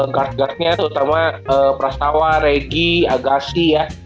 guard guardnya tuh utama prasawa regi agassi ya